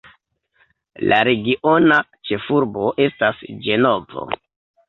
La regiona ĉefurbo estas Ĝenovo.